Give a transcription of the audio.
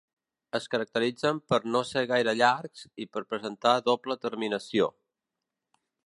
Es caracteritzen per no ser gaire llargs i per presentar doble terminació.